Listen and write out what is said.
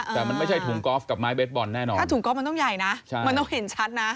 แต่มันไม่ใช่ถุงกอล์ฟกับไม้เบสบอลแน่นอนถ้าถุงก๊อฟมันต้องใหญ่นะมันต้องเห็นชัดนะ